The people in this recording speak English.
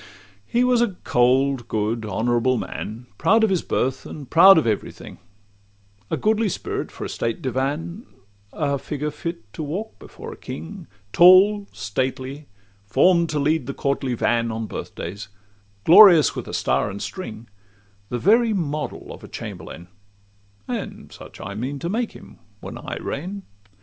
He was a cold, good, honourable man, Proud of his birth, and proud of every thing; A goodly spirit for a state divan, A figure fit to walk before a king; Tall, stately, form'd to lead the courtly van On birthdays, glorious with a star and string; The very model of a chamberlain— And such I mean to make him when I reign.